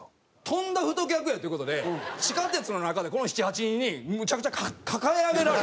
とんだ太客や！という事で地下鉄の中でこの７８人にむちゃくちゃ抱え上げられて。